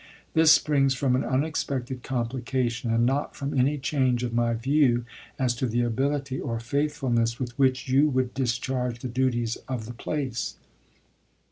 This springs from an unexpected complication, and not from any change of my view as to the ability or faithful ness with which you would discharge the duties of the place.